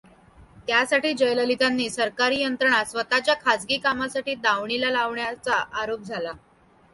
त्यासाठी जयललितांनी सरकारी यंत्रणा स्वतःच्या खाजगी कामासाठी दावणीला लावल्याचा आरोप झाला.